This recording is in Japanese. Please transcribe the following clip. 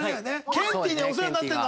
ケンティーにはお世話になってるの。